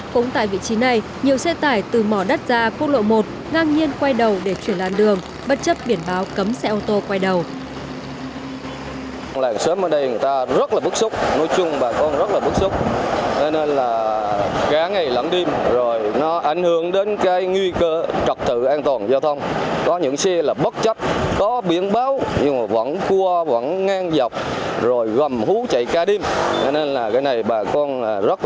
cũng tại vị trí này nhiều xe tải từ mỏ đất ra quốc lộ một ngang nhiên quay đầu để chuyển lan đường bất chấp biển báo cấm xe ô tô quay đầu